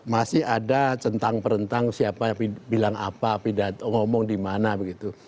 masih ada centang perenang siapa bilang apa pidato ngomong di mana begitu